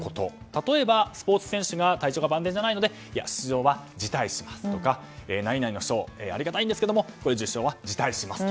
例えばスポーツ選手が体調が万全じゃないので出場は辞退しますとか何々の賞ありがたいんですけども受賞は辞退します。